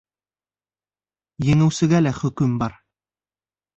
Еңеүсегә лә хөкөм бар.